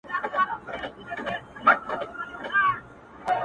• چي یې شور په شاوخوا کي وو جوړ کړی ,